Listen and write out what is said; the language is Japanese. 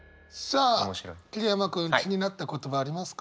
さあ桐山君気になった言葉ありますか？